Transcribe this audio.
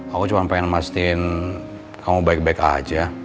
aku cuma pengen masin kamu baik baik aja